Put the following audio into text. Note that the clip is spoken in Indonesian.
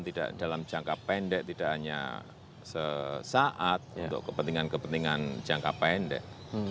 tidak dalam jangka pendek tidak hanya sesaat untuk kepentingan kepentingan jangka pendek